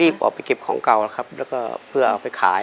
รีบออกไปเก็บของเก่าแล้วก็เพื่อออกไปขาย